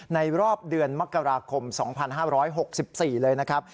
ในรอบเดือนมกราคม๒๕๖๔เลยนะครับ